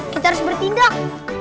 kita harus bertindak